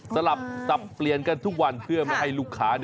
สลับสับเปลี่ยนกันทุกวันเพื่อไม่ให้ลูกค้า